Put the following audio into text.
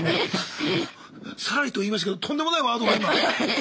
サラリと言いましたけどとんでもないワードが今！